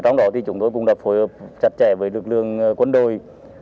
trong đó thì chúng tôi cũng đã phối hợp chặt chẽ với lực lượng quân đội